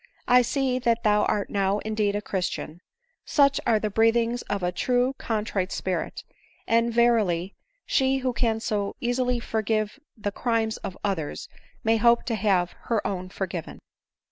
" I see that thou art now indeed a christian ; such are the breath ings of a truly contrite spirit ; and, verily, she who can so easily forgive the crimes of others may hope to have her own forgiven."